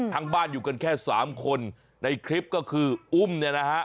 บ้านอยู่กันแค่สามคนในคลิปก็คืออุ้มเนี่ยนะฮะ